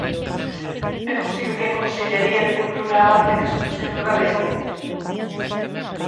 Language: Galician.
É posíbel que a Consellaría de Cultura avance na exclusión do galego?